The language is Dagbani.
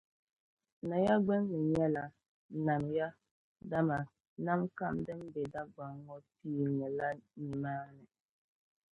Naya gbinni nyɛla, “Nam ya” dama nam kam din be Dagbaŋ ŋɔ piinila nimaani.